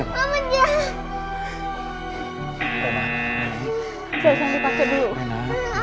aku gak mau